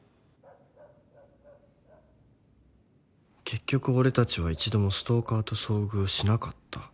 結局俺たちは一度もストーカーと遭遇しなかった